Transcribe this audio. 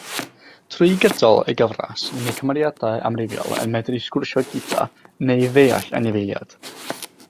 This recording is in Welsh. Trwy gydol y gyfres mae cymeriadau amrywiol yn medru sgwrsio gyda neu ddeall anifeiliaid.